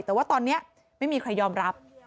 แต่ว่าตอนนี้ไม่มีใครยอมรับ